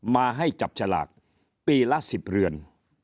มาให้จับฉลากปีละ๑๐เรือน